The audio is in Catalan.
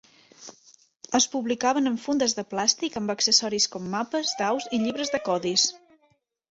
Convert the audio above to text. Es publicaven en fundes de plàstic amb accessoris com mapes, daus i llibres de codis.